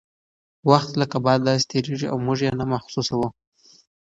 وخت لکه باد داسې تیریږي او موږ یې نه محسوسوو.